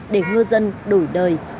để ngư dân đổi đời